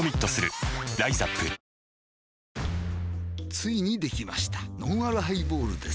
ついにできましたのんあるハイボールです